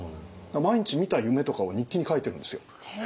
毎日見た夢とかを日記に書いているんですよ。